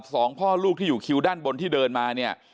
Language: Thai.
สองพ่อลูกที่อยู่คิวด้านบนที่เดินมาเนี่ย